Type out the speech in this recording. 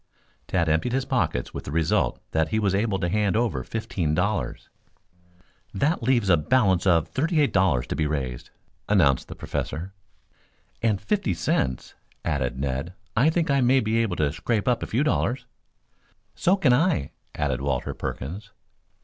Tad emptied his pockets with the result that he was able to hand over fifteen dollars. "That leaves a balance of thirty eight dollars to be raised," announced the Professor. "And fifty cents," added Ned. "I think I may be able to scrape up a few dollars." "So can I," added Walter Perkins.